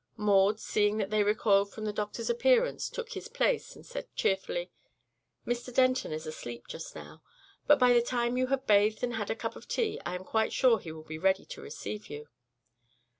Maud, seeing that they recoiled from the doctor's appearance, took his place and said cheerfully: "Mr. Denton is asleep, just now, but by the time you have bathed and had a cup of tea I am quite sure he will be ready to receive you."